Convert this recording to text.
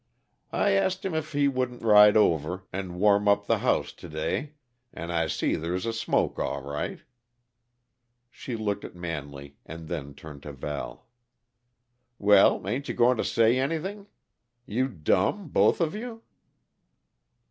I asked him if he wouldn't ride over an' warm up the house t'day and I see there's a smoke, all right." She looked at Manley, and then turned to Val. "Well, ain't you goin' to say anything? You dumb, both of you?"